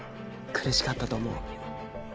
苦しかったと思う。